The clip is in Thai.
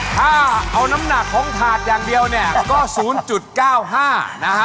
ถ้าเอาน้ำหนักของถาดอย่างเดียวเนี่ยก็๐๙๕นะฮะ